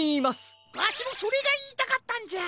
わしもそれがいいたかったんじゃ！